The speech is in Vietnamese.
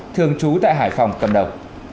thường trú tại hải phòng cận đầu